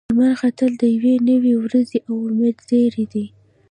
لمر ختل د یوې نوې ورځې او امید زیری دی.